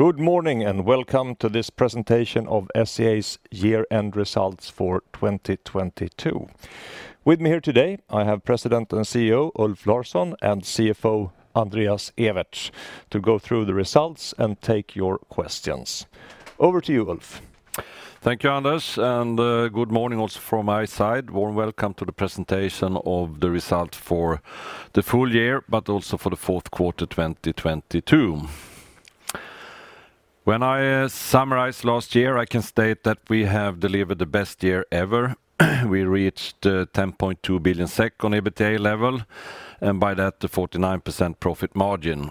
Good morning, and welcome to this presentation of SCA's year-end results for 2022. With me here today, I have President and CEO, Ulf Larsson, and CFO, Andreas Ewertz, to go through the results and take your questions. Over to you, Ulf. Thank you, Anders, and good morning also from my side. Warm welcome to the presentation of the results for the full year, but also for the fourth quarter, 2022. When I summarize last year, I can state that we have delivered the best year ever. We reached 10.2 billion SEK on EBITDA level, and by that, the 49% profit margin.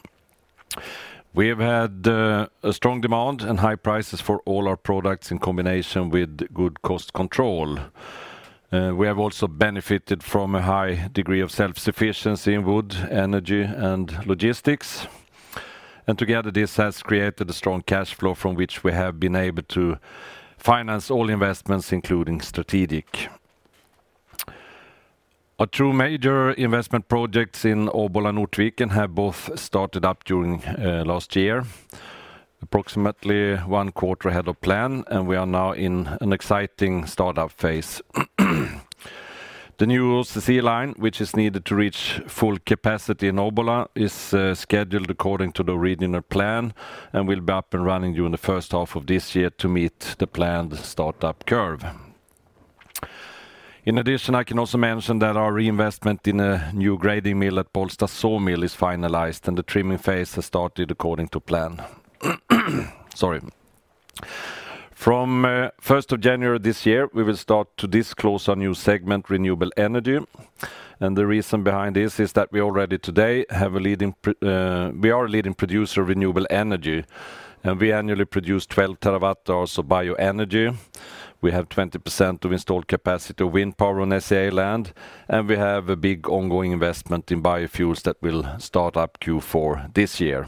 We have had a strong demand and high prices for all our products in combination with good cost control. We have also benefited from a high degree of self-sufficiency in wood, energy, and logistics. Together, this has created a strong cash flow from which we have been able to finance all investments, including strategic. Our two major investment projects in Obbola Ortviken have both started up during last year, approximately 1 quarter ahead of plan, and we are now in an exciting startup phase. The new OCC line, which is needed to reach full capacity in Obbola, is scheduled according to the original plan and will be up and running during the 1st half of this year to meet the planned startup curve. In addition, I can also mention that our reinvestment in a new grading mill at Bollsta Sawmill is finalized, and the trimming phase has started according to plan. Sorry. From 1st of January this year, we will start to disclose our new segment, Renewable Energy. The reason behind this is that we already today have a leading producer of renewable energy, and we annually produce 12 terawatt hours of bioenergy. We have 20% of installed capacity of wind power on SCA land. We have a big ongoing investment in biofuels that will start up Q4 this year.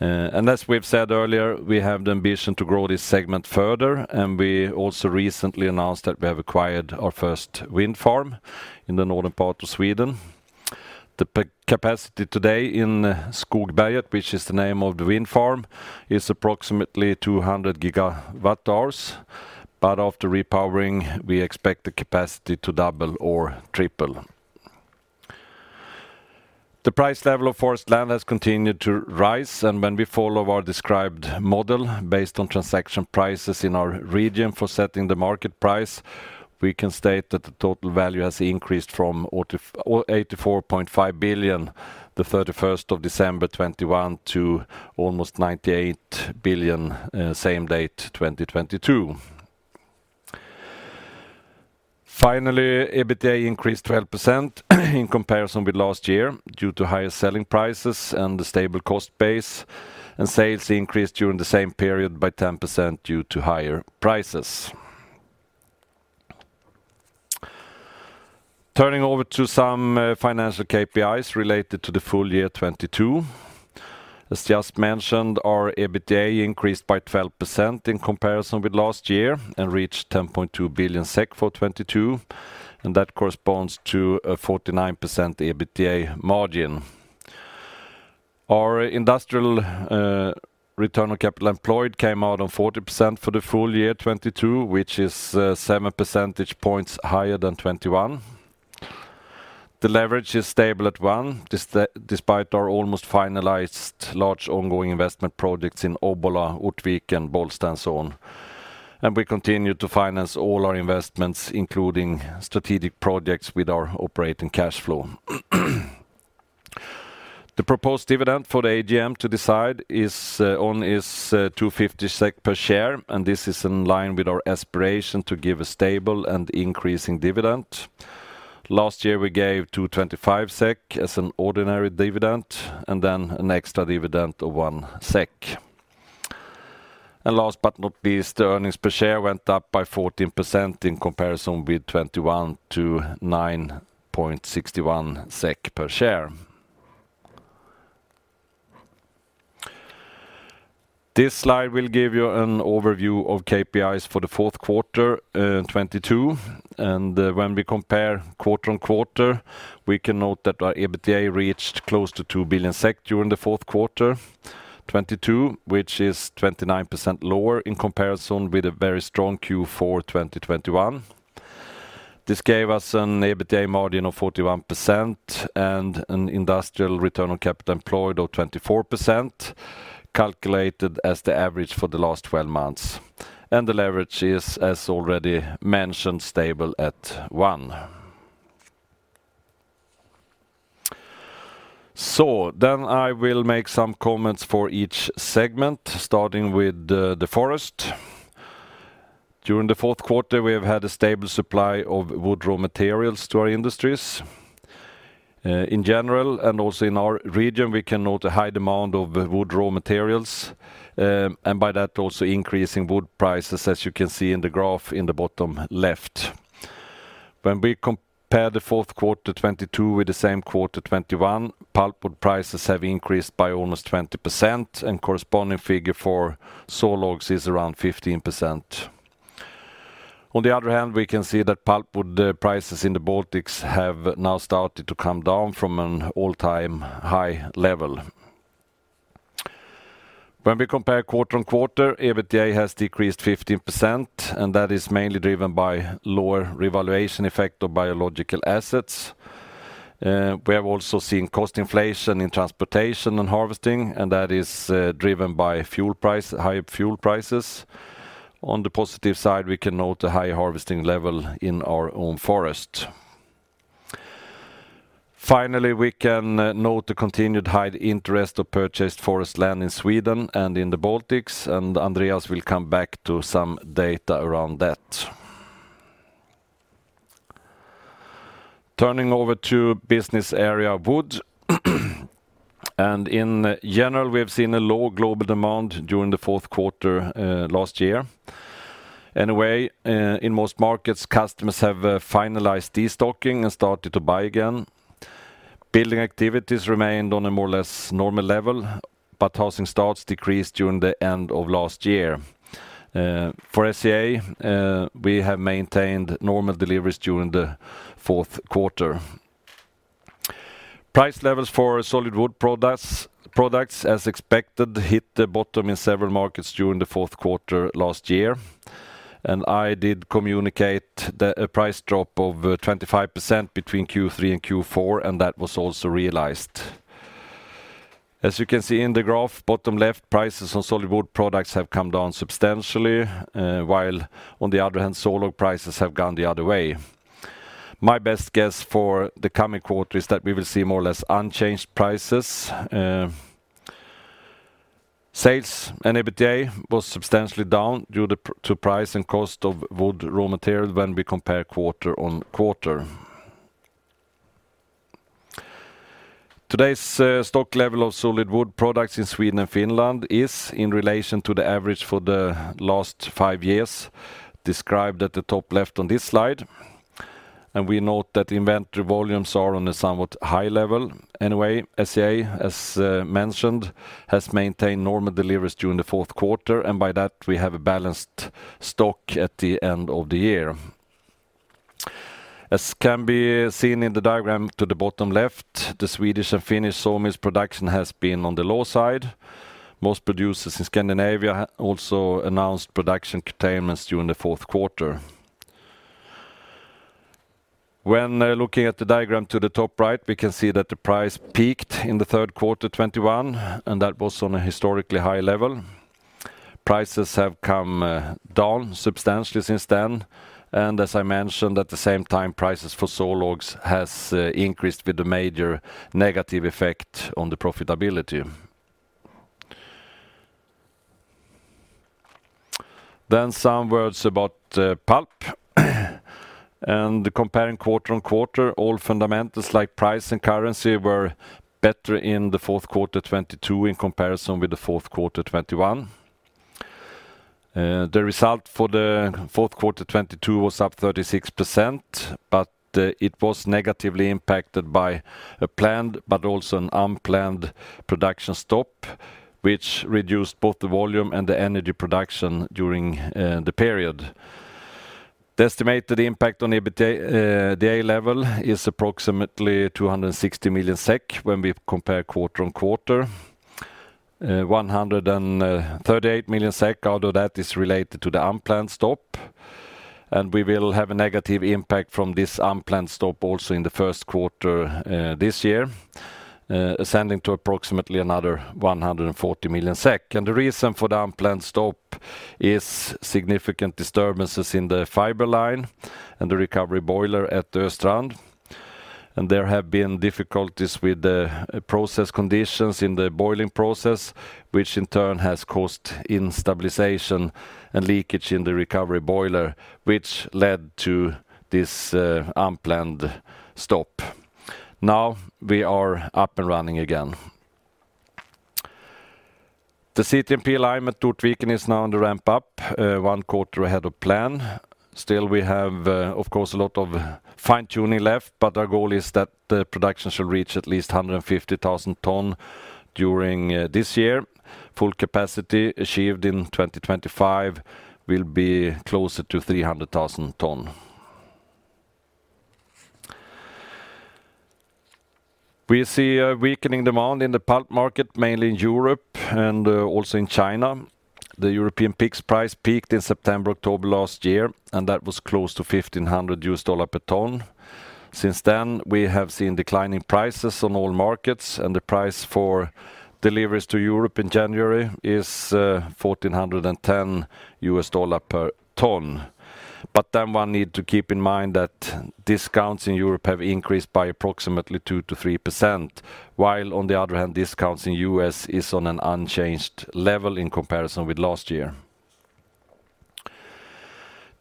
As we've said earlier, we have the ambition to grow this segment further. We also recently announced that we have acquired our first wind farm in the northern part of Sweden. The capacity today in Skogsberget, which is the name of the wind farm, is approximately 200 gigawatt hours. After repowering, we expect the capacity to double or triple. The price level of forest land has continued to rise. When we follow our described model based on transaction prices in our region for setting the market price, we can state that the total value has increased from 84.5 billion, December 31, 2021, to almost 98 billion, same date, 2022. Finally, EBITDA increased 12% in comparison with last year due to higher selling prices and a stable cost base. Sales increased during the same period by 10% due to higher prices. Turning over to some financial KPIs related to the full year 2022. As just mentioned, our EBITDA increased by 12% in comparison with last year and reached 10.2 billion SEK for 2022. That corresponds to a 49% EBITDA margin. Our industrial return on capital employed came out on 40% for the full year 2022, which is 7 percentage points higher than 2021. The leverage is stable at 1, despite our almost finalized large ongoing investment projects in Obbola, Ortviken, and Bollsta, and so on. We continue to finance all our investments, including strategic projects, with our operating cash flow. The proposed dividend for the AGM to decide is 2.50 SEK per share, and this is in line with our aspiration to give a stable and increasing dividend. Last year, we gave 2.25 SEK as an ordinary dividend and then an extra dividend of 1 SEK. Last but not least, the earnings per share went up by 14% in comparison with 2021 to 9.61 SEK per share. This slide will give you an overview of KPIs for the fourth quarter 2022. When we compare quarter-on-quarter, we can note that our EBITDA reached close to 2 billion SEK during the fourth quarter 2022, which is 29% lower in comparison with a very strong Q4 2021. This gave us an EBITDA margin of 41% and an industrial return on capital employed of 24%, calculated as the average for the last 12 months. The leverage is, as already mentioned, stable at 1. I will make some comments for each segment, starting with the forest. During the fourth quarter, we have had a stable supply of wood raw materials to our industries. In general, and also in our region, we can note a high demand of wood raw materials, and by that, also increasing wood prices, as you can see in the graph in the bottom left. When we compare the fourth quarter 2022 with the same quarter 2021, pulpwood prices have increased by almost 20%, and corresponding figure for sawlogs is around 15%. On the other hand, we can see that pulpwood prices in the Baltics have now started to come down from an all-time high level. When we compare quarter-on-quarter, EBITDA has decreased 15%, that is mainly driven by lower revaluation effect of biological assets. We have also seen cost inflation in transportation and harvesting, that is driven by high fuel prices. On the positive side, we can note a high harvesting level in our own forest. Finally, we can note the continued high interest of purchased forest land in Sweden and in the Baltics. Andreas will come back to some data around that. Turning over to business area wood, in general, we have seen a low global demand during the fourth quarter last year. Anyway, in most markets, customers have finalized destocking and started to buy again. Building activities remained on a more or less normal level, but housing starts decreased during the end of last year. For SCA, we have maintained normal deliveries during the fourth quarter. Price levels for solid-wood products, as expected, hit the bottom in several markets during the fourth quarter last year. I did communicate the price drop of 25% between Q3 and Q4, and that was also realized. As you can see in the graph, bottom left, prices on solid-wood products have come down substantially, while on the other hand, sawlog prices have gone the other way. My best guess for the coming quarter is that we will see more or less unchanged prices. Sales and EBITDA was substantially down due to price and cost of wood raw material when we compare quarter-on-quarter. Today's stock level of solid-wood products in Sweden and Finland is, in relation to the average for the last five years, described at the top left on this slide, and we note that inventory volumes are on a somewhat high level. SCA, as mentioned, has maintained normal deliveries during the fourth quarter, and by that, we have a balanced stock at the end of the year. As can be seen in the diagram to the bottom left, the Swedish and Finnish sawmills production has been on the low side. Most producers in Scandinavia also announced production curtailments during the fourth quarter. When looking at the diagram to the top right, we can see that the price peaked in the third quarter 2021, and that was on a historically high level. Prices have come down substantially since then, and as I mentioned, at the same time, prices for sawlogs has increased with a major negative effect on the profitability. Some words about pulp. Comparing quarter-on-quarter, all fundamentals like price and currency were better in the fourth quarter 2022 in comparison with the fourth quarter 2021. The result for the fourth quarter 2022 was up 36%, but it was negatively impacted by a planned, but also an unplanned production stop, which reduced both the volume and the energy production during the period. The estimated impact on EBITDA level is approximately 260 million SEK when we compare quarter-on-quarter. 138 million SEK out of that is related to the unplanned stop, and we will have a negative impact from this unplanned stop also in the first quarter this year, ascending to approximately another 140 million SEK. The reason for the unplanned stop is significant disturbances in the fiber line and the recovery boiler at Östrand. There have been difficulties with the process conditions in the boiling process, which in turn has caused instability and leakage in the recovery boiler, which led to this unplanned stop. Now we are up and running again. The CTMP line at Ortviken is now on the ramp up, one quarter ahead of plan. We have, of course, a lot of fine-tuning left, but our goal is that the production shall reach at least 150,000 tons during this year. Full capacity achieved in 2025 will be closer to 300,000 tons. We see a weakening demand in the pulp market, mainly in Europe and also in China. The European PIX price peaked in September, October last year, and that was close to $1,500 per ton. Since then, we have seen declining prices on all markets, and the price for deliveries to Europe in January is $1,410 per ton. One need to keep in mind that discounts in Europe have increased by approximately 2%-3%, while on the other hand, discounts in U.S. is on an unchanged level in comparison with last year.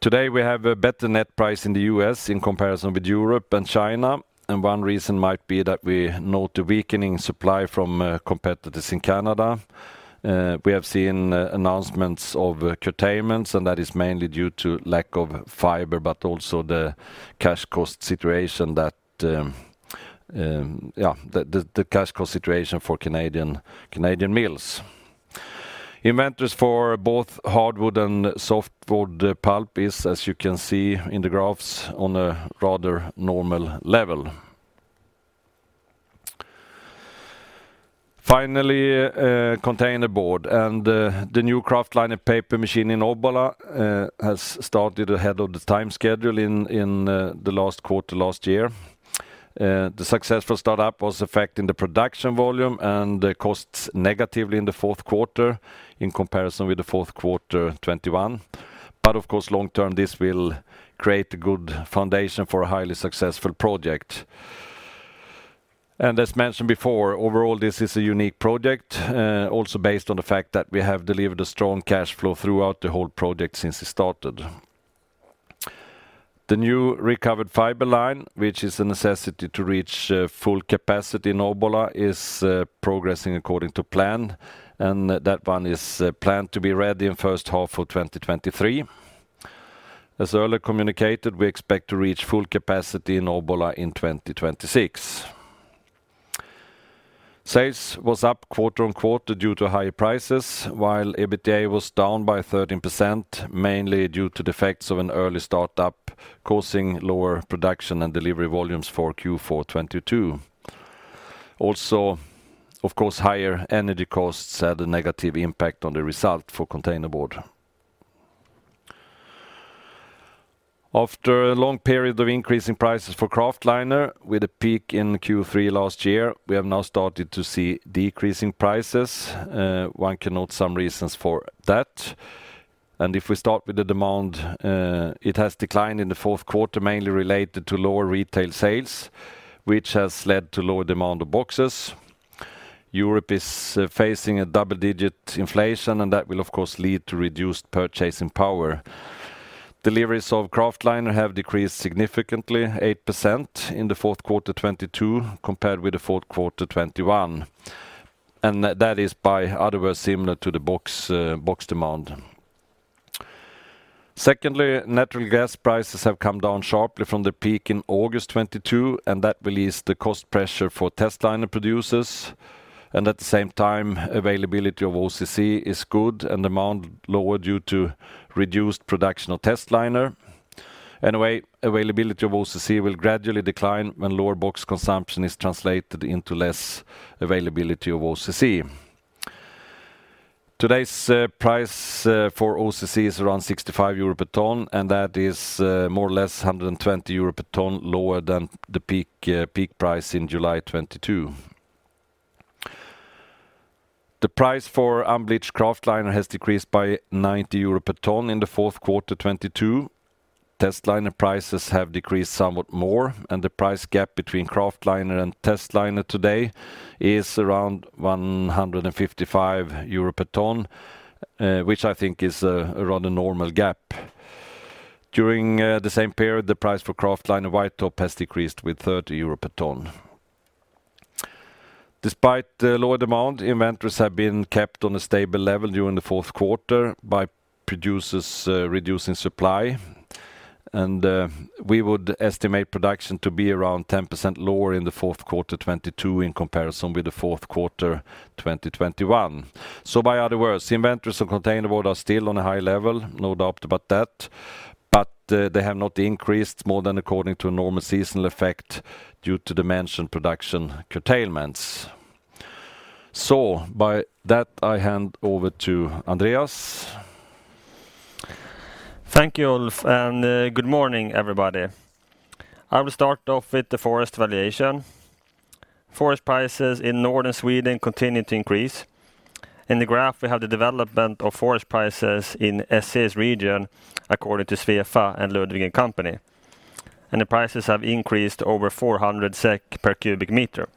Today, we have a better net price in the U.S. in comparison with Europe and China. One reason might be that we note the weakening supply from competitors in Canada. We have seen announcements of curtailments. That is mainly due to lack of fiber, also the cash cost situation for Canadian mills. Inventories for both hardwood and softwood pulp is, as you can see in the graphs, on a rather normal level. Finally, containerboard and the new Kraftliner paper machine in Obbola has started ahead of the time schedule in the last quarter last year. The successful startup was affecting the production volume and the costs negatively in the fourth quarter in comparison with the fourth quarter 21. Of course, long term, this will create a good foundation for a highly successful project. As mentioned before, overall, this is a unique project, also based on the fact that we have delivered a strong cash flow throughout the whole project since it started. The new recovered fiber line, which is a necessity to reach full capacity in Obbola, is progressing according to plan, and that one is planned to be ready in first half of 2023. As earlier communicated, we expect to reach full capacity in Obbola in 2026. Sales was up quarter on quarter due to high prices, while EBITDA was down by 13%, mainly due to the effects of an early start up causing lower production and delivery volumes for Q4 2022. Of course, higher energy costs had a negative impact on the result for container board. After a long period of increasing prices for Kraftliner with a peak in Q3 last year, we have now started to see decreasing prices. One can note some reasons for that. If we start with the demand, it has declined in the fourth quarter, mainly related to lower retail sales, which has led to lower demand of boxes. Europe is facing a double-digit inflation, and that will of course lead to reduced purchasing power. Deliveries of Kraftliner have decreased significantly, 8%, in the fourth quarter 2022 compared with the fourth quarter 2021, and that is by otherwise similar to the box demand. Secondly, natural gas prices have come down sharply from the peak in August 2022, and that released the cost pressure for Testliner producers. At the same time, availability of OCC is good and demand lower due to reduced production of Testliner. Availability of OCC will gradually decline when lower box consumption is translated into less availability of OCC. Today's price for OCC is around 65 euro per ton, and that is more or less 120 euro per ton lower than the peak price in July 2022. The price for unbleached Kraftliner has decreased by 90 euro per ton in Q4 2022. Testliner prices have decreased somewhat more, and the price gap between Kraftliner and Testliner today is around 155 euro per ton, which I think is a rather normal gap. During the same period, the price for Kraftliner White Top has decreased with 30 euro per ton. Despite the lower demand, inventories have been kept on a stable level during the fourth quarter by producers reducing supply. We would estimate production to be around 10% lower in the fourth quarter 2022 in comparison with the fourth quarter 2021. By other words, inventories of container board are still on a high level, no doubt about that, but they have not increased more than according to a normal seasonal effect due to the mentioned production curtailments. By that, I hand over to Andreas. Thank you, Ulf, and good morning, everybody. I will start off with the forest valuation. Forest prices in Northern Sweden continue to increase. In the graph, we have the development of forest prices in SCA's region according to Svefa and Ludvig & Company. The prices have increased over 400 SEK per cubic meter.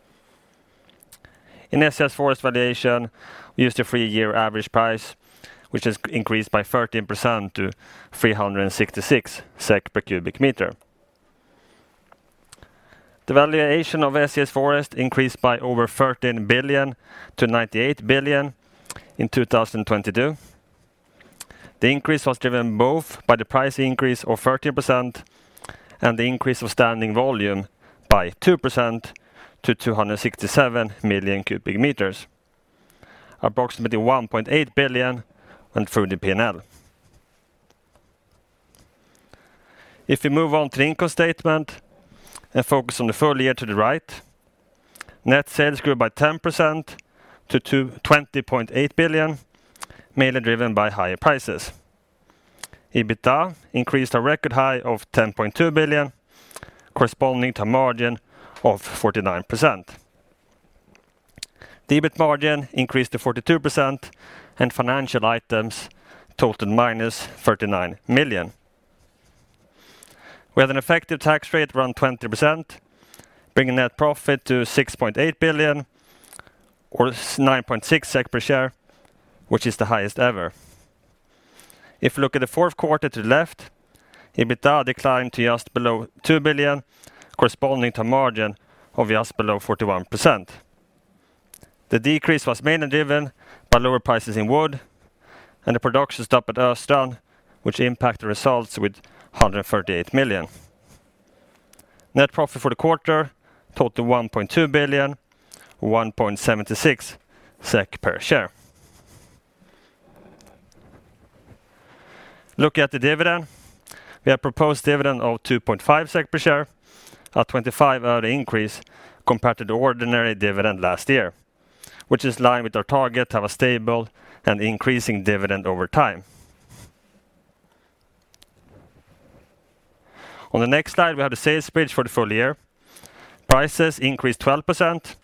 In SCA's forest valuation, we used a three-year average price, which has increased by 13% to 366 SEK per cubic meter. The valuation of SCA's forest increased by over 13 billion to 98 billion in 2022. The increase was driven both by the price increase of 13% and the increase of standing volume by 2% to 267 million cubic meters, approximately 1.8 billion and through the P&L. We move on to the income statement and focus on the full year to the right, net sales grew by 10% to 20.8 billion, mainly driven by higher prices. EBITDA increased a record high of 10.2 billion, corresponding to a margin of 49%. The EBIT margin increased to 42% and financial items totaled -39 million. We had an effective tax rate around 20%, bringing net profit to 6.8 billion or 9.6 SEK per share, which is the highest ever. You look at the fourth quarter to the left, EBITDA declined to just below 2 billion, corresponding to a margin of just below 41%. The decrease was mainly driven by lower prices in wood and the production stopped at Östrand, which impacted results with 138 million. Net profit for the quarter, total 1.2 billion, 1.76 SEK per share. Looking at the dividend, we have proposed dividend of 2.5 SEK per share, a 25 odd increase compared to the ordinary dividend last year, which is line with our target to have a stable and increasing dividend over time. On the next slide, we have the sales bridge for the full year. Prices increased 12%.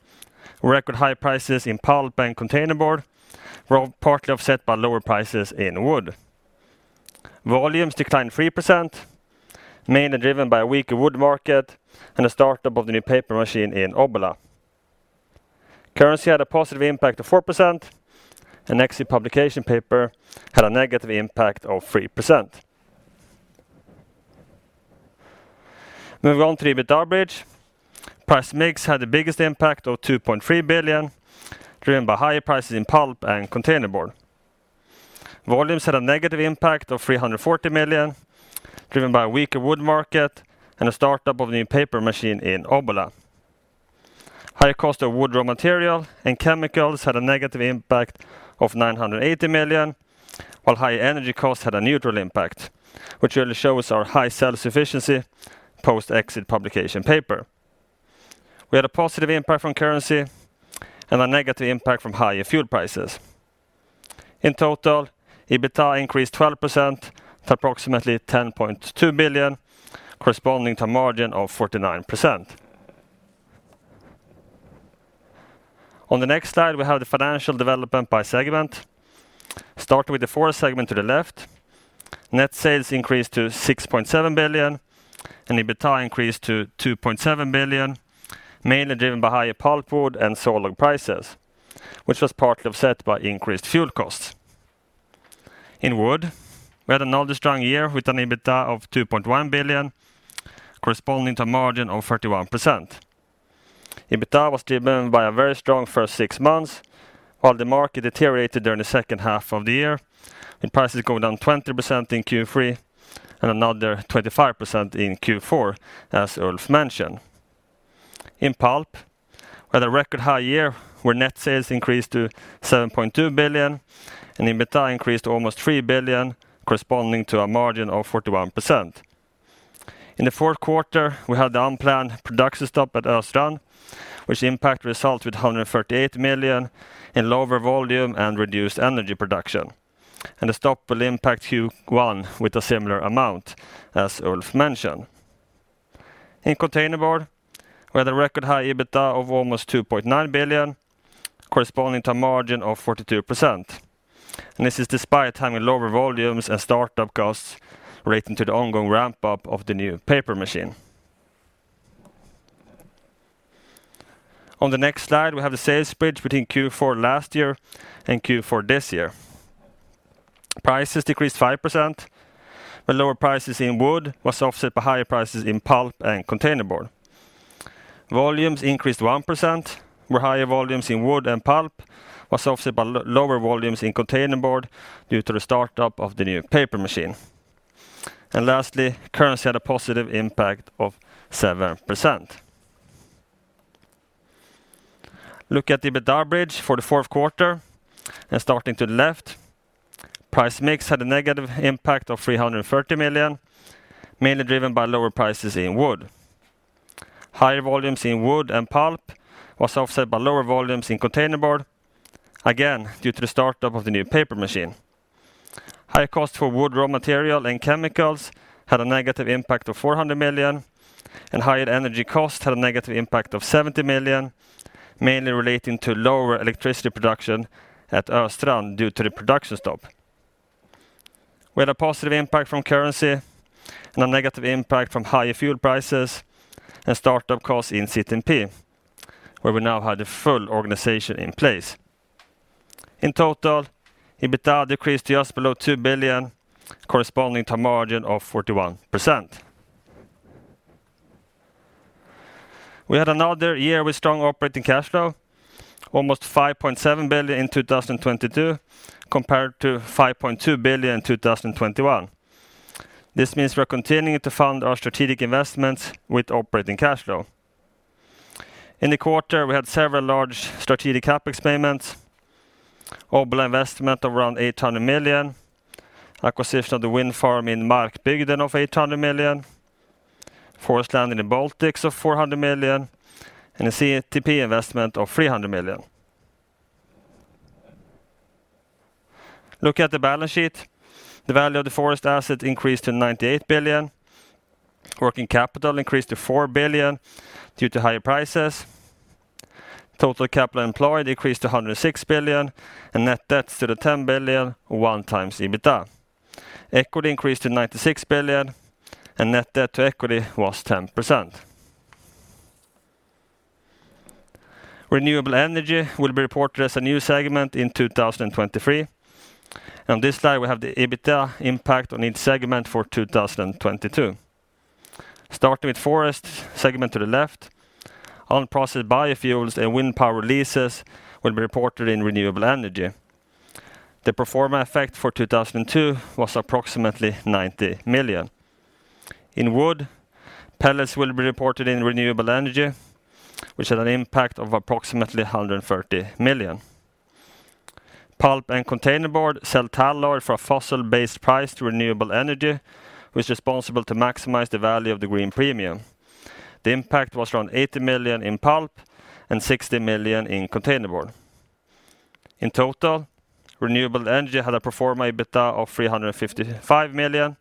Record high prices in pulp and containerboard were partly offset by lower prices in wood. Volumes declined 3%, mainly driven by a weaker wood market and the start-up of the new paper machine in Obbola. Currency had a positive impact of 4%. Exit publication paper had a negative impact of 3%. Moving on to the EBITDA bridge, price mix had the biggest impact of 2.3 billion, driven by higher prices in pulp and containerboard. Volumes had a negative impact of 340 million, driven by a weaker wood market and a start-up of the new paper machine in Obbola. Higher cost of wood, raw material, and chemicals had a negative impact of 980 million, while higher energy costs had a neutral impact, which really shows our high sales efficiency post-exit publication paper. We had a positive impact from currency and a negative impact from higher fuel prices. In total, EBITDA increased 12% to approximately 10.2 billion, corresponding to a margin of 49%. On the next slide, we have the financial development by segment. Start with the forest segment to the left. Net sales increased to 6.7 billion, and EBITDA increased to 2.7 billion, mainly driven by higher pulpwood and sawlog prices, which was partly offset by increased fuel costs. In wood, we had another strong year with an EBITDA of 2.1 billion, corresponding to a margin of 31%. EBITDA was driven by a very strong first 6 months, while the market deteriorated during the second half of the year, with prices going down 20% in Q3 and another 25% in Q4, as Ulf mentioned. In pulp, we had a record high year where net sales increased to 7.2 billion and EBITDA increased to almost 3 billion, corresponding to a margin of 41%. In the fourth quarter, we had the unplanned production stop at Östrand, which impact results with 138 million in lower volume and reduced energy production. The stop will impact Q1 with a similar amount, as Ulf mentioned. In containerboard, we had a record high EBITDA of almost 2.9 billion, corresponding to a margin of 42%. This is despite having lower volumes and start-up costs relating to the ongoing ramp-up of the new paper machine. On the next slide, we have the sales bridge between Q4 last year and Q4 this year. Prices decreased 5%, lower prices in wood was offset by higher prices in pulp and containerboard. Volumes increased 1%, where higher volumes in wood and pulp was offset by lower volumes in containerboard due to the start-up of the new paper machine. Lastly, currency had a positive impact of 7%. Look at the EBITDA bridge for the fourth quarter, starting to the left, price mix had a negative impact of 330 million, mainly driven by lower prices in wood. Higher volumes in wood and pulp was offset by lower volumes in containerboard, again, due to the start-up of the new paper machine. Higher cost for wood, raw material, and chemicals had a negative impact of 400 million, and higher energy cost had a negative impact of 70 million, mainly relating to lower electricity production at Östrand due to the production stop. We had a positive impact from currency and a negative impact from higher fuel prices and start-up costs in CTMP, where we now had a full organization in place. In total, EBITDA decreased to just below 2 billion, corresponding to a margin of 41%. We had another year with strong operating cash flow, almost 5.7 billion in 2022, compared to 5.2 billion in 2021. This means we're continuing to fund our strategic investments with operating cash flow. In the quarter, we had several large strategic CapEx payments, Obbola investment of around 800 million, acquisition of the wind farm in Markbygden of 800 million, forest land in the Baltics of 400 million, and a CTMP investment of 300 million. Looking at the balance sheet, the value of the forest asset increased to 98 billion. Working capital increased to 4 billion due to higher prices. Total capital employed increased to 106 billion, and net debts to 10 billion, 1x EBITDA. Equity increased to 96 billion. Net debt to equity was 10%. Renewable Energy will be reported as a new segment in 2023. On this slide, we have the EBITDA impact on each segment for 2022. Starting with forest segment to the left, unprocessed biofuels and wind power leases will be reported in Renewable Energy. The pro forma effect for 2002 was approximately 90 million. In wood, pellets will be reported in Renewable Energy, which had an impact of approximately 130 million. Pulp and containerboard sell tall oil for a fossil-based price to Renewable Energy, was responsible to maximize the value of the green premium. The impact was around 80 million in pulp and 60 million in containerboard. In total, Renewable Energy had a pro forma EBITDA of 355 million.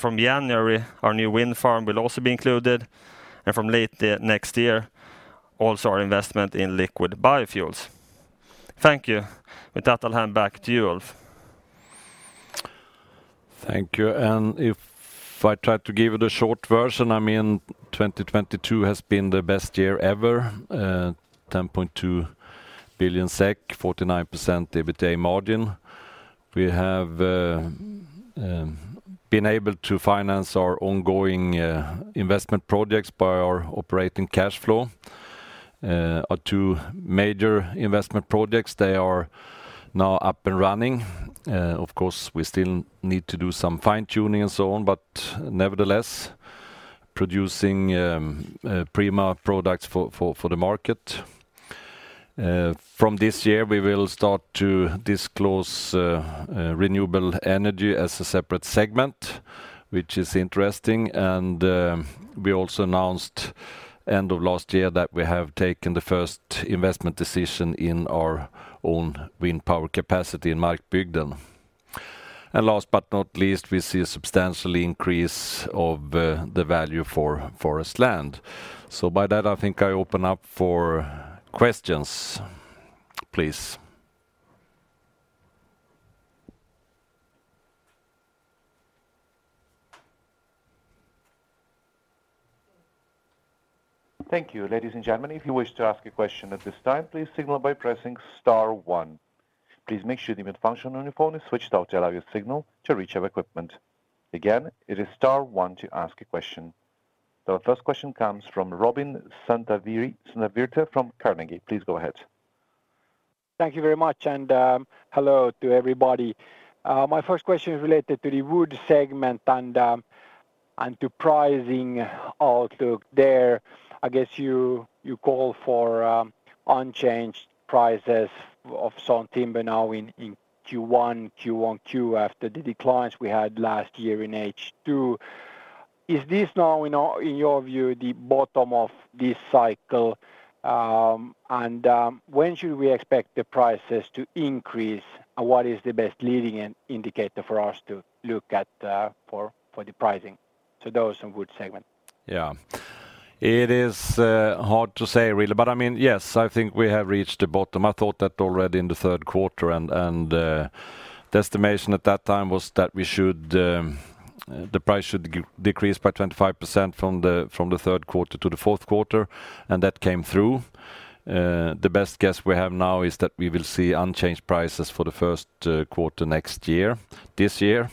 From January, our new wind farm will be included, and from late next year, also our investment in liquid biofuels. Thank you. With that, I'll hand back to you, Ulf. Thank you. If I try to give it a short version, I mean, 2022 has been the best year ever, 10.2 billion SEK, 49% EBITDA margin. We have been able to finance our ongoing investment projects by our operating cash flow. Our two major investment projects, they are now up and running. Of course, we still need to do some fine-tuning and so on, but nevertheless, producing prime products for the market. From this year, we will start to disclose Renewable Energy as a separate segment, which is interesting. We also announced end of last year that we have taken the first investment decision in our own wind power capacity in Markbygden. Last but not least, we see a substantial increase of the value for forest land. By that, I think I open up for questions, please. Thank you. Ladies and gentlemen, if you wish to ask a question at this time, please signal by pressing star one. Please make sure the mute function on your phone is switched off to allow your signal to reach our equipment. Again, it is star one to ask a question. The first question comes from Robin Santavirta from Carnegie. Please go ahead. Thank you very much. Hello to everybody. My first question is related to the wood segment and to pricing out there. I guess you call for unchanged prices of sawn timber now in Q1, Q2 after the declines we had last year in H2. Is this now in your view, the bottom of this cycle? When should we expect the prices to increase? What is the best leading indicator for us to look at for the pricing? Those in wood segment. Yeah. It is hard to say, really. I mean, yes, I think we have reached the bottom. I thought that already in the third quarter, and the estimation at that time was that we should the price should decrease by 25% from the third quarter to the fourth quarter, and that came through. The best guess we have now is that we will see unchanged prices for the first quarter next year, this year.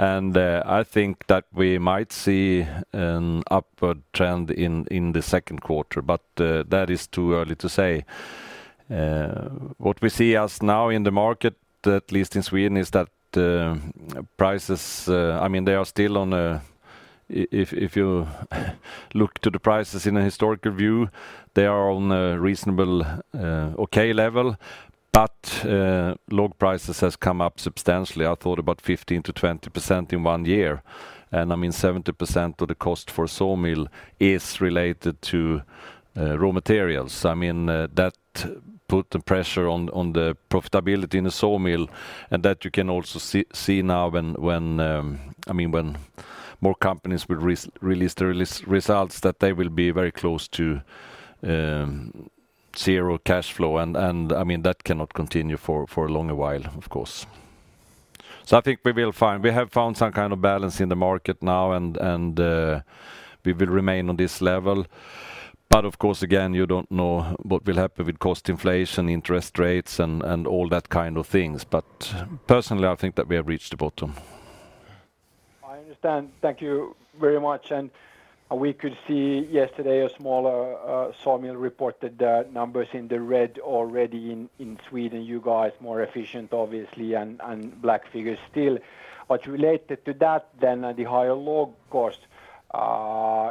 I think that we might see an upward trend in the second quarter, but that is too early to say. What we see as now in the market, at least in Sweden, is that prices, I mean, they are still on a If you look to the prices in a historical view, they are on a reasonable, okay level. Log prices has come up substantially. I thought about 15%-20% in 1 year. I mean, 70% of the cost for a sawmill is related to raw materials. I mean, that put the pressure on the profitability in the sawmill. That you can also see now when, I mean, when more companies will release the results, that they will be very close to zero cash flow. I mean, that cannot continue for a long while, of course. I think we have found some kind of balance in the market now, and we will remain on this level. Of course, again, you don't know what will happen with cost inflation, interest rates, and all that kind of things. Personally, I think that we have reached the bottom. I understand. Thank you very much. We could see yesterday a smaller sawmill reported numbers in the red already in Sweden, you guys more efficient obviously and black figures still. Related to that the higher log costs,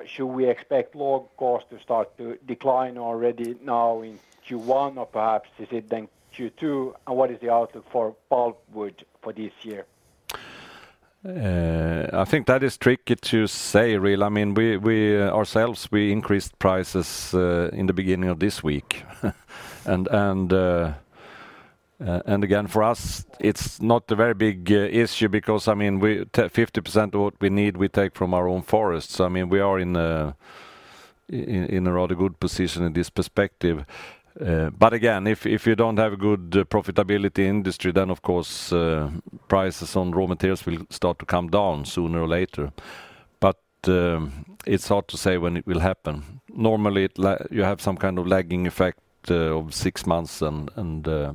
should we expect log costs to start to decline already now in Q1 or perhaps is it Q2? What is the outlook for pulpwood for this year? I think that is tricky to say, really. I mean, we ourselves, we increased prices in the beginning of this week. Again, for us, it's not a very big issue because, I mean, we take 50% of what we need, we take from our own forests. I mean, we are in a rather good position in this perspective. Again, if you don't have a good profitability industry, then of course, prices on raw materials will start to come down sooner or later. It's hard to say when it will happen. Normally, it you have some kind of lagging effect of 6 months and it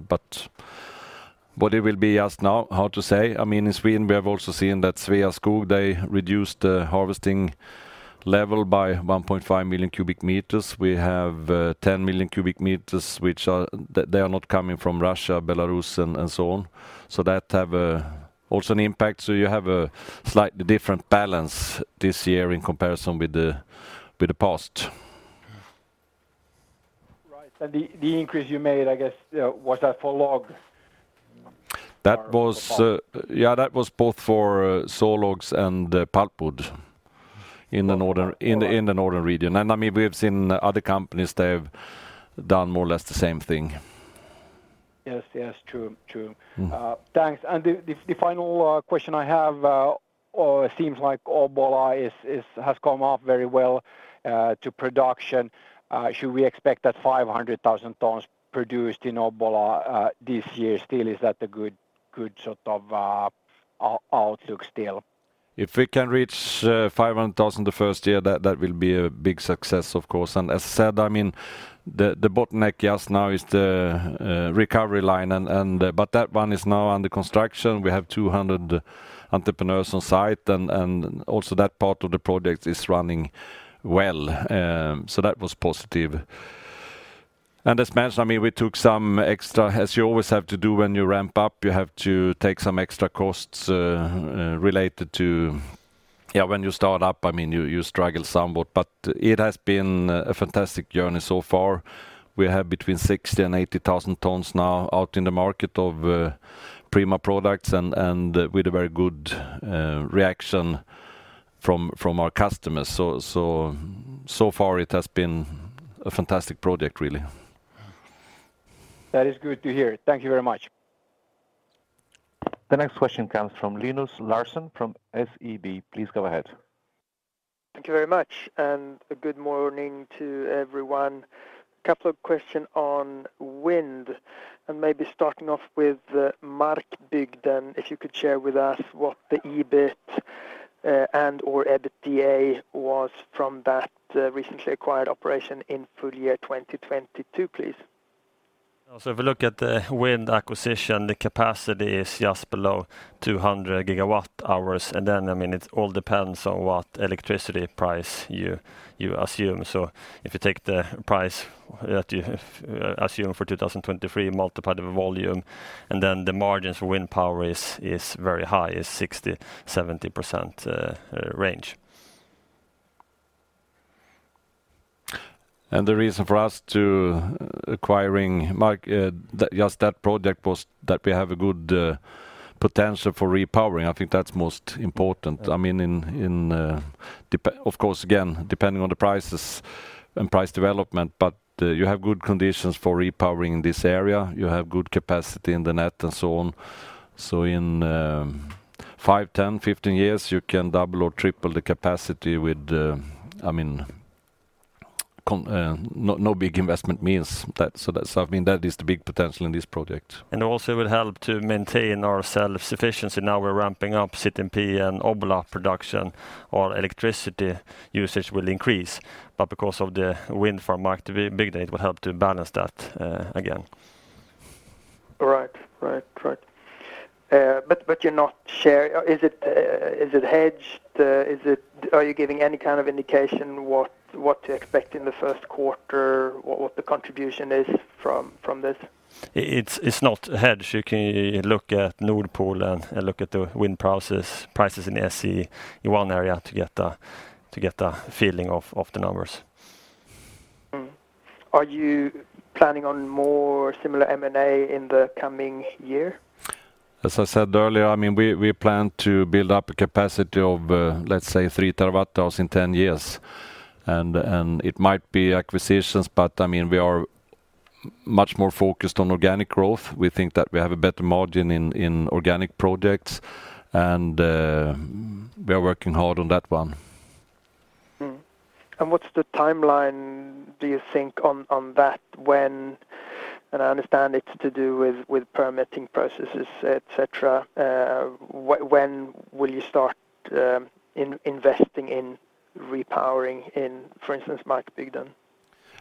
will be just now how to say. I mean, in Sweden, we have also seen that Sveaskog, they reduced the harvesting level by 1.5 million cubic meters. We have 10 million cubic meters. They are not coming from Russia, Belarus and so on. That have also an impact. You have a slightly different balance this year in comparison with the past. Right. the increase you made, I guess, you know, was that for log? That was, yeah, that was both for sawlogs and pulpwood in the northern region. I mean, we have seen other companies, they have done more or less the same thing. Thanks. The final question I have seems like Obbola has come off very well to production. Should we expect that 500,000 tons produced in Obbola this year still? Is that a good sort of outlook still? If we can reach 500,000 the first year, that will be a big success of course. As said, I mean, the bottleneck just now is the recovery line and that one is now under construction. We have 200 entrepreneurs on site and also that part of the project is running well. That was positive. As mentioned, I mean, we took some extra, as you always have to do when you ramp up, you have to take some extra costs related to. When you start up, I mean, you struggle somewhat. It has been a fantastic journey so far. We have between 60,000 and 80,000 tons now out in the market of prime products and with a very good reaction from our customers. So far it has been a fantastic project really. That is good to hear. Thank you very much. The next question comes from Linus Larsson from SEB. Please go ahead. Thank you very much and good morning to everyone. Couple of question on wind. Maybe starting off with Markbygden, if you could share with us what the EBIT and/or EBITDA was from that recently acquired operation in full year 2022, please. If you look at the wind acquisition, the capacity is just below 200 gigawatt hours. I mean, it all depends on what electricity price you assume. If you take the price that you assume for 2023, multiply the volume, the margins for wind power is very high, is 60%-70% range. The reason for us to acquiring just that project was that we have a good potential for repowering. I think that's most important. I mean, in, of course, again, depending on the prices and price development, but you have good conditions for repowering this area. You have good capacity in the net and so on. In 5, 10, 15 years, you can double or triple the capacity with, I mean, no big investment means that. That's, I mean, that is the big potential in this project. Also it will help to maintain our self-sufficiency. Now we're ramping up Sundsvall and Obbola production. Our electricity usage will increase. Because of the wind farm market, the big data will help to balance that again. Right. Right. Right. but you're not share... Is it, is it hedged? Are you giving any kind of indication what to expect in the first quarter, what the contribution is from this? It's not hedged. You can look at Nord Pool and look at the wind prices in the SE in one area to get a feeling of the numbers. Are you planning on more similar M&A in the coming year? As I said earlier, I mean, we plan to build up a capacity of, let's say 3 terawatt hours in 10 years. It might be acquisitions, but I mean, we are much more focused on organic growth. We think that we have a better margin in organic projects, and we are working hard on that one. Mm-hmm. What's the timeline, do you think, on that when... I understand it's to do with permitting processes, et cetera. When will you start investing in repowering in, for instance, Markbygden?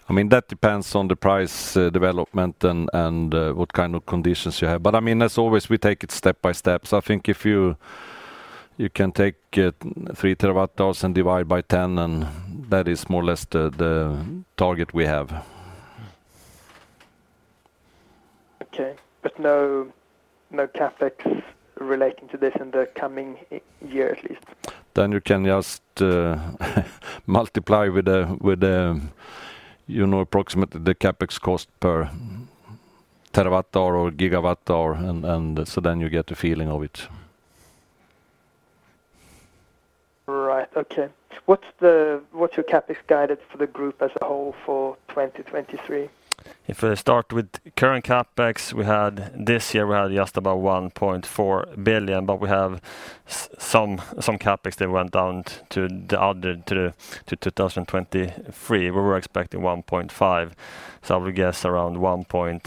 I mean, that depends on the price development and what kind of conditions you have. I mean, as always, we take it step by step. I think if you can take 3 terawatt hours and divide by 10, that is more or less the target we have. Okay. No CapEx relating to this in the coming year at least? You can just multiply with a, with a, you know, approximately the CapEx cost per terawatt hour or gigawatt hour and so then you get a feeling of it. Right. Okay. What's your CapEx guidance for the group as a whole for 2023? If I start with current CapEx, we had this year, we had just about 1.4 billion, but we have some CapEx that went down to the other, to 2023. We were expecting 1.5 billion. I would guess around 1.6 billion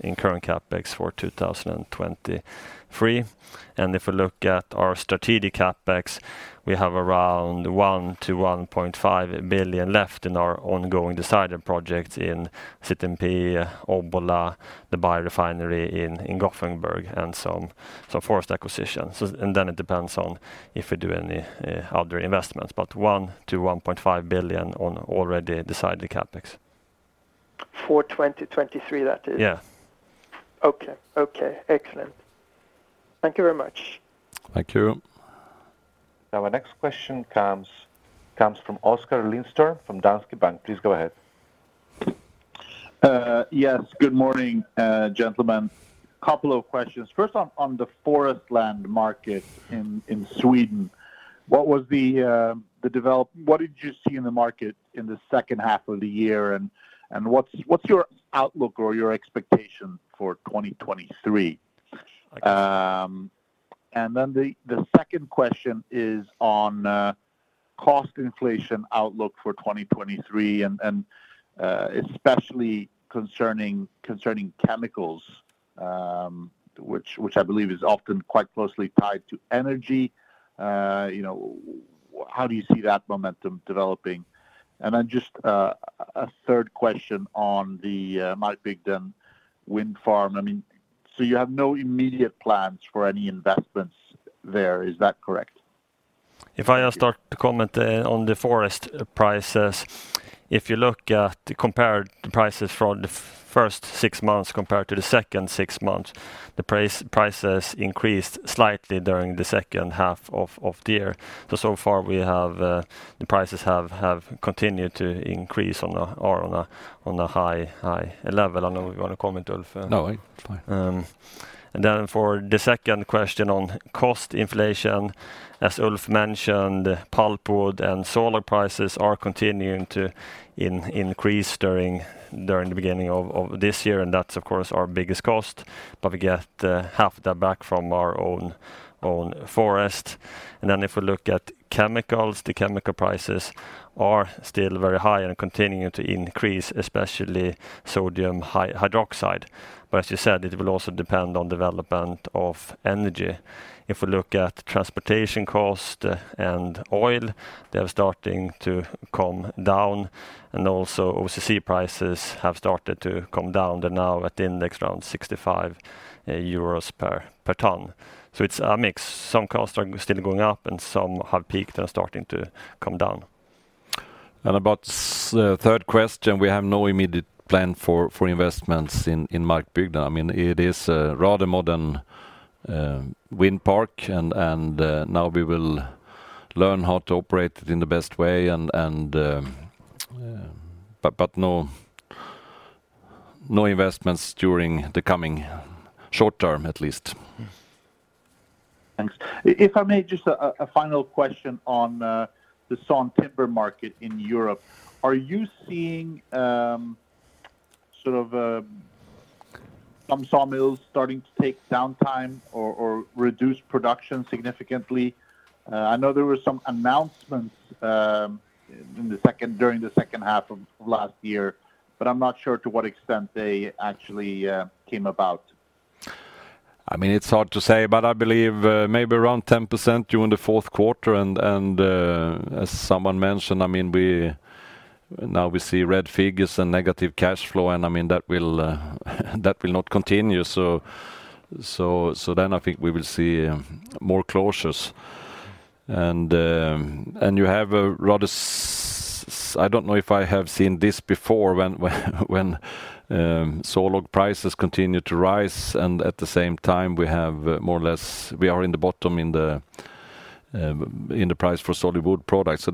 in current CapEx for 2023. If you look at our strategic CapEx, we have around 1 billion-1.5 billion left in our ongoing decided projects in Sundsvall, Obbola, the biorefinery in Gothenburg and some forest acquisitions. It depends on if we do any other investments, but 1 billion-1.5 billion on already decided CapEx. For twenty twenty-three, that is? Yeah. Okay. Okay. Excellent. Thank you very much. Thank you. Our next question comes from Oskar Lindström from Danske Bank. Please go ahead. Yes, good morning, gentlemen. Couple of questions. First on the forest land market in Sweden, what was the what did you see in the market in the second half of the year and what's your outlook or your expectation for 2023? The second question is on, cost inflation outlook for 2023 and especially concerning chemicals, which I believe is often quite closely tied to energy. You know, how do you see that momentum developing? Just a third question on the, Markbygden wind farm. I mean, so you have no immediate plans for any investments there, is that correct? I start to comment on the forest prices, if you compare the prices for the first 6 months compared to the second 6 months, prices increased slightly during the second half of the year. So far we have, the prices have continued to increase on a high level. I don't know you want to comment, Ulf? No, I'm fine. For the second question on cost inflation, as Ulf mentioned, pulpwood and sawlog prices are continuing to increase during the beginning of this year, that's of course our biggest cost. We get half that back from our own forest. If we look at chemicals, the chemical prices are still very high and continuing to increase, especially sodium hydroxide. As you said, it will also depend on development of energy. If we look at transportation cost, and oil, they are starting to come down, also OCC prices have started to come down. They're now at the index around 65 euros per ton. It's a mix. Some costs are still going up, some have peaked and are starting to come down. About third question, we have no immediate plan for investments in Markbygden. I mean, it is a rather modern wind park and now we will learn how to operate it in the best way and but no investments during the coming short term at least. Thanks. If I may, just a final question on the sawn timber market in Europe. Are you seeing, sort of, some sawmills starting to take downtime or reduce production significantly? I know there were some announcements during the second half of last year, I'm not sure to what extent they actually came about. I mean, it's hard to say, but I believe, maybe around 10% during the fourth quarter and, as someone mentioned, I mean, now we see red figures and negative cash flow, I mean, that will not continue. Then I think we will see more closures. You have a rather I don't know if I have seen this before when solar prices continue to rise and at the same time we have more or less, we are in the bottom in the price for solid-wood products.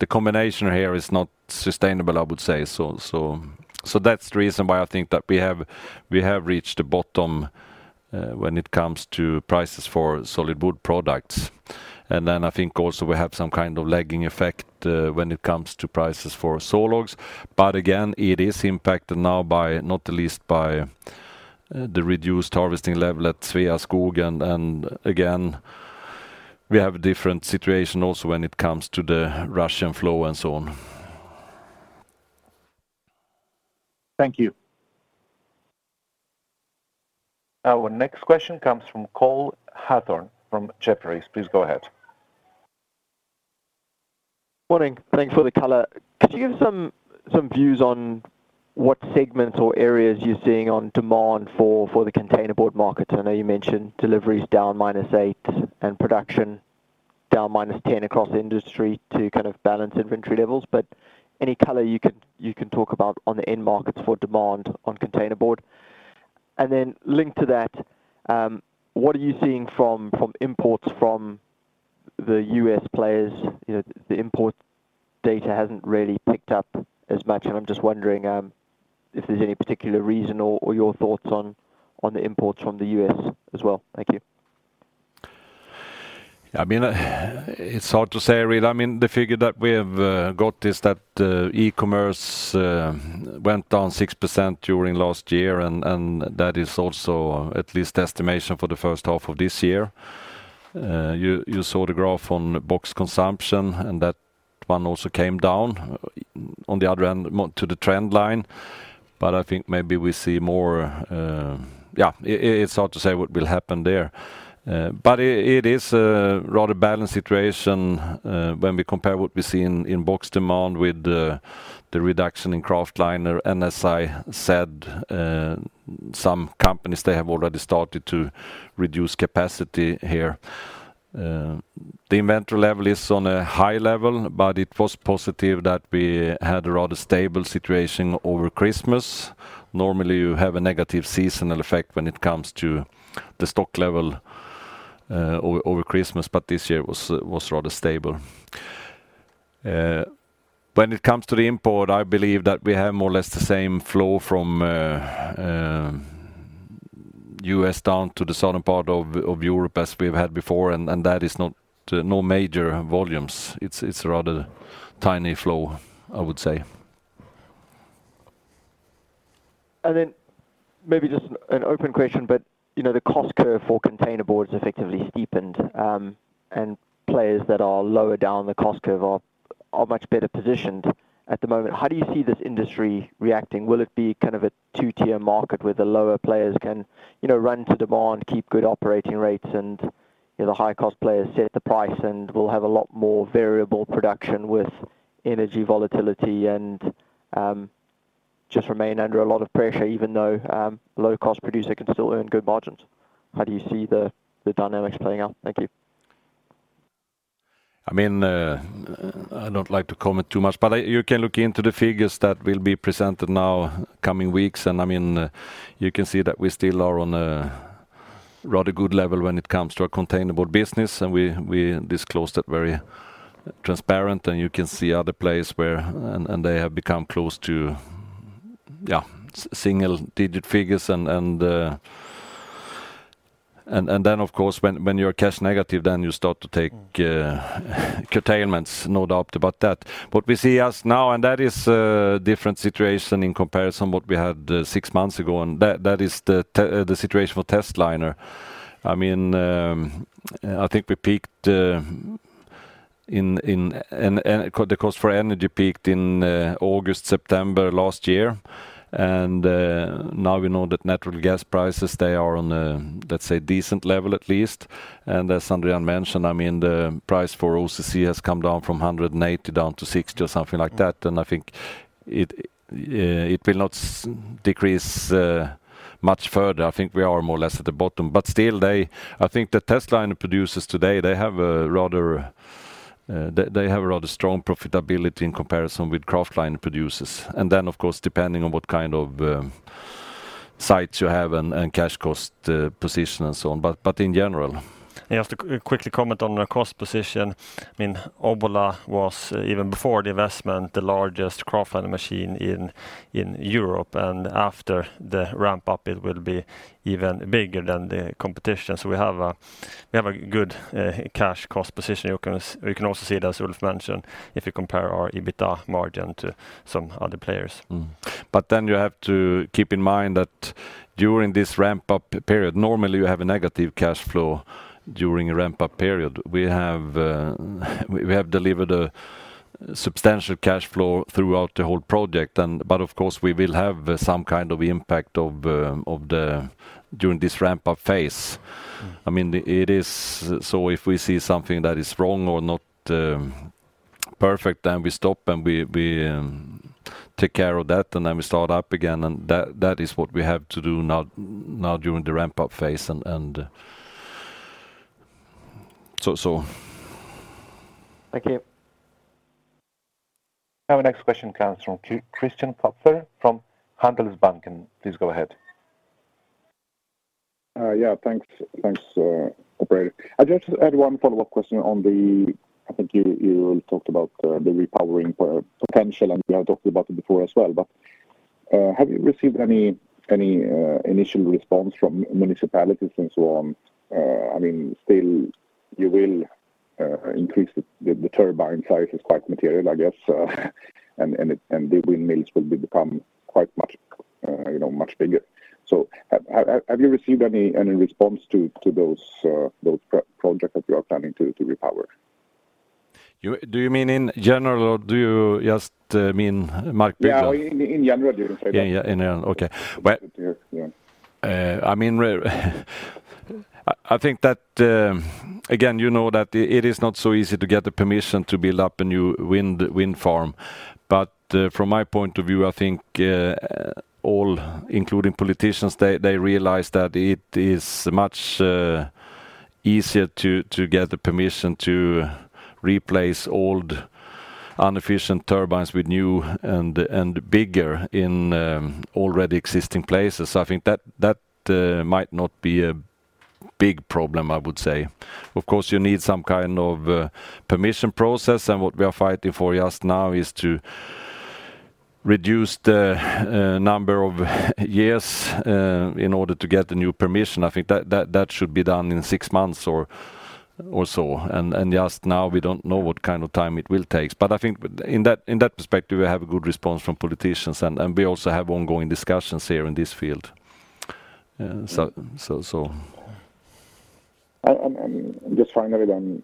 The combination here is not sustainable, I would say. That's the reason why I think that we have, we have reached the bottom, when it comes to prices for solid-wood products. I think also we have some kind of lagging effect, when it comes to prices for sawlogs. Again, it is impacted now by, not the least by, the reduced harvesting level at Sveaskog and again, we have a different situation also when it comes to the Russian flow and so on. Thank you. Our next question comes from Cole Hathorn from Jefferies. Please go ahead. Morning. Thanks for the color. Could you give some views on what segments or areas you're seeing on demand for the containerboard markets? I know you mentioned deliveries down -8 and production down -10 across the industry to kind of balance inventory levels, but any color you can talk about on the end markets for demand on containerboard? Linked to that, what are you seeing from imports from the U.S. players? You know, the import data hasn't really picked up as much, and I'm just wondering if there's any particular reason or your thoughts on the imports from the U.S. as well. Thank you. I mean, it's hard to say really. I mean, the figure that we have got is that e-commerce went down 6% during last year and that is also at least estimation for the first half of this year. You saw the graph on box consumption, and that one also came down on the other end more to the trend line. I think maybe we see more. Yeah, it's hard to say what will happen there. It is a rather balanced situation when we compare what we see in box demand with the reduction in Kraftliner. As I said, some companies, they have already started to reduce capacity here. The inventory level is on a high level, but it was positive that we had a rather stable situation over Christmas. Normally, you have a negative seasonal effect when it comes to the stock level, over Christmas, but this year was rather stable. When it comes to the import, I believe that we have more or less the same flow from U.S. down to the southern part of Europe as we've had before, and that is not no major volumes. It's rather tiny flow, I would say. Maybe just an open question, but you know, the cost curve for containerboard effectively steepened, and players that are lower down the cost curve are much better positioned at the moment. How do you see this industry reacting? Will it be kind of a two-tier market where the lower players can, you know, run to demand, keep good operating rates and, you know, the high-cost players set the price and will have a lot more variable production with energy volatility and just remain under a lot of pressure even though, low-cost producer can still earn good margins? How do you see the dynamics playing out? Thank you. I mean, I don't like to comment too much, but you can look into the figures that will be presented now coming weeks. I mean, you can see that we still are on a rather good level when it comes to our containerboard business, and we disclosed it very transparent. You can see other place where... They have become close to, yeah, single-digit figures and... Then, of course, when you're cash negative, then you start to take curtailments. No doubt about that. What we see as now, and that is a different situation in comparison what we had six months ago, and that is the situation for Testliner. I mean, I think we peaked, in the cost for energy peaked in August, September last year. Now we know that natural gas prices, they are on a, let's say, decent level at least. As Andrean mentioned, I mean, the price for OCC has come down from 180 down to 60 or something like that. I think it will not decrease much further. I think we are more or less at the bottom. Still I think the Testliner producers today, they have a rather strong profitability in comparison with Kraftliner producers. Of course, depending on what kind of sites you have and cash cost position and so on, but in general. I have to quickly comment on the cost position. I mean, Obbola was, even before the investment, the largest Kraftliner machine in Europe. After the ramp up, it will be even bigger than the competition. We have a good cash cost position. You can also see it, as Ulf mentioned, if you compare our EBITDA margin to some other players. You have to keep in mind that during this ramp-up period, normally you have a negative cash flow during a ramp-up period. We have delivered a substantial cash flow throughout the whole project. Of course, we will have some kind of impact of the during this ramp-up phase. I mean, it is. If we see something that is wrong or not perfect, then we stop and we take care of that. We start up again. That is what we have to do now during the ramp-up phase. Thank you. Our next question comes from Christian Kopfer from Handelsbanken. Please go ahead. Yeah. Thanks, thanks, operator. I'd like to add one follow-up question. I think you talked about the repowering potential, and we have talked about it before as well. Have you received any initial response from municipalities and so on? I mean, still you will increase the turbine size is quite material, I guess, and it, and the windmills will become quite much much bigger. Have you received any response to those projects that you are planning to repower? Do you mean in general or do you just mean Markbygden? Yeah, in general. Yeah, yeah, in general. Okay. Yeah. I think that, again, it is not so easy to get the permission to build up a new wind farm. From my point of view, I think all including politicians, they realize that it is much easier to get the permission to replace old inefficient turbines with new and bigger in already existing places. I think that might not be a big problem, I would say. Of course, you need some kind of permission process. What we are fighting for just now is to reduce the number of years in order to get the new permission. I think that should be done in 6 months or so. Just now we don't know what kind of time it will take. I think in that perspective, we have a good response from politicians and we also have ongoing discussions here in this field. Just finally then,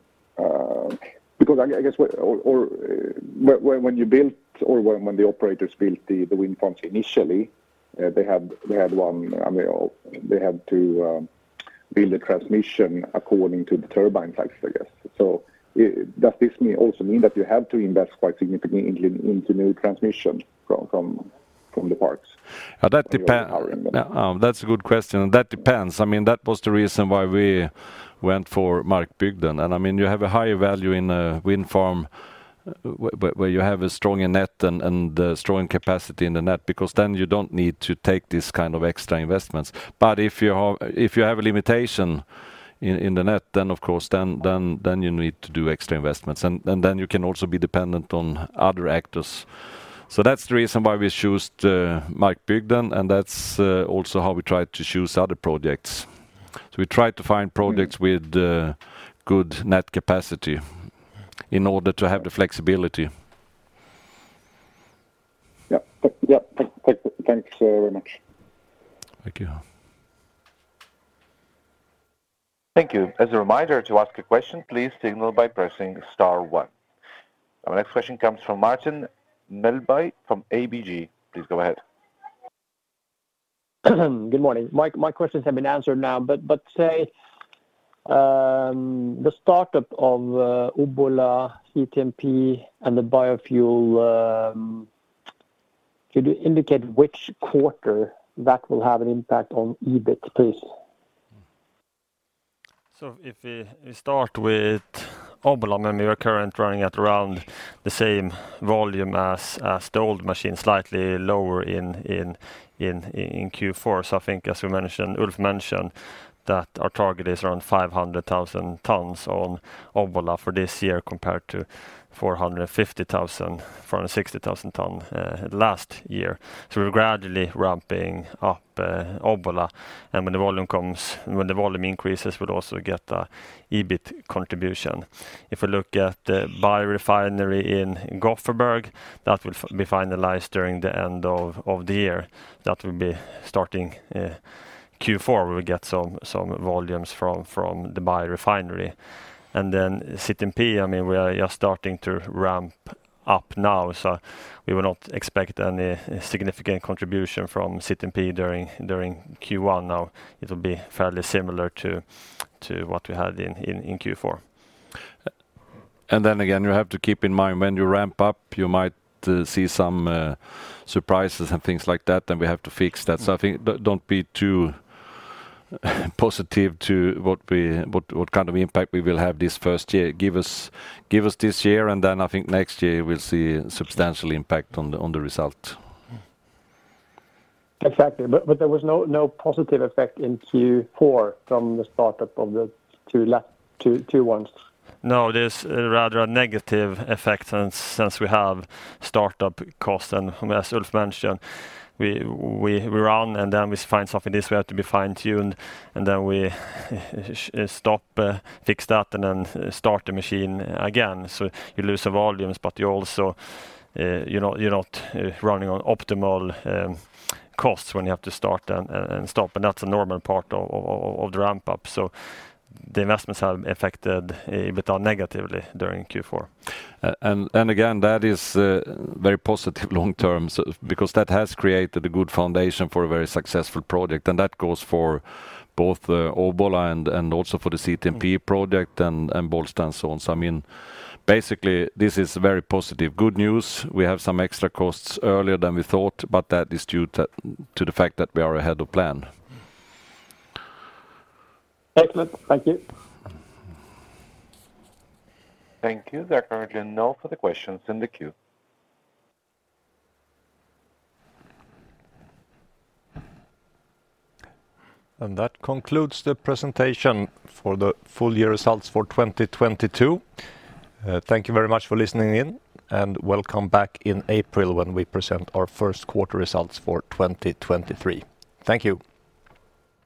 because I guess what or when you built or when the operators built the wind farms initially, they had one, I mean, they had to build a transmission according to the turbine size, right? Does this mean that you have to invest quite significantly into new transmission from the parks? that depend Yeah, that's a good question, and that depends. I mean, that was the reason why we went for Markbygden. I mean, you have a higher value in a wind farm where you have a stronger net and a strong capacity in the net because then you don't need to take this kind of extra investments. If you have a limitation in the net then of course, then you need to do extra investments, and then you can also be dependent on other actors. That's the reason why we choose the Markbygden, and that's also how we try to choose other projects. We try to find projects with good net capacity in order to have the flexibility. Yep. Yep. Thank you so very much. Thank you. Thank you. As a reminder, to ask a question, please signal by pressing star 1. Our next question comes from Martin Melby from ABG. Please go ahead. Good morning. My questions have been answered now. Say, the startup of Obbola CTMP and the biofuel, could you indicate which quarter that will have an impact on EBIT, please? If we start with Obbola, I mean, we are current running at around the same volume as the old machine, slightly lower in Q4. I think as we mentioned, Ulf mentioned that our target is around 500,000 tons on Obbola for this year compared to 450,000-460,000 tons last year. We're gradually ramping up Obbola, and when the volume increases, we'll also get a EBIT contribution. If we look at the biorefinery in Gothenburg, that will be finalized during the end of the year. That will be starting Q4. We'll get some volumes from the biorefinery. CTMP, I mean, we are just starting to ramp up now, so we will not expect any significant contribution from CTMP during Q1. Now, it'll be fairly similar to what we had in Q4. Then again, you have to keep in mind when you ramp up, you might see some surprises and things like that, and we have to fix that. I think don't be too positive to what kind of impact we will have this first year. Give us this year, I think next year we'll see substantial impact on the result. Exactly. there was no positive effect in Q4 from the startup of the 2 ones? No, there's a rather a negative effect since we have startup costs. As Ulf mentioned, we run, and then we find something this way to be fine-tuned, and then we stop, fix that and then start the machine again. You lose the volumes, but you also, you're not running on optimal costs when you have to start and stop, and that's a normal part of the ramp-up. The investments have affected EBITDA negatively during Q4. And again, that is very positive long term because that has created a good foundation for a very successful project, and that goes for both the Obbola and also for the CTMP project and Bollsta and so on. I mean, basically this is very positive good news. We have some extra costs earlier than we thought, but that is due to the fact that we are ahead of plan. Excellent. Thank you. Thank you. There are currently no further questions in the queue. That concludes the presentation for the full year results for 2022. Thank you very much for listening in, and welcome back in April when we present our first quarter results for 2023. Thank you.